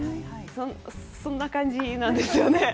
そんな感じなんですよね。